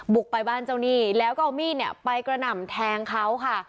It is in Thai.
บุกไปบ้านเจ้าหนี้แล้วก็เอามีดเนี่ยไปกระหน่ำแทงเขาค่ะ